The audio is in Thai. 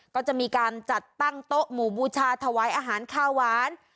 ก็จะมีการจัดตั้งโต๊ะหมู่บูชาถวายอาหารข้าวหวาน